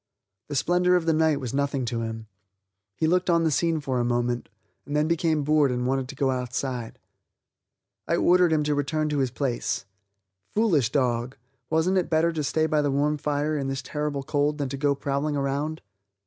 The splendor of the night was nothing to him; he looked on the scene for a moment, and then became bored and wanted to go outside. I ordered him to return to his place. Foolish dog, wasn't it better to stay by the warm fire in this terrible cold than to go prowling around.